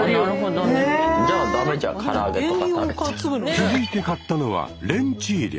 続いて買ったのはレンチーリャ。